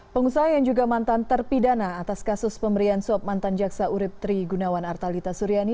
pengusaha yang juga mantan terpidana atas kasus pemberian suap mantan jaksa urib tri gunawan artalita suryani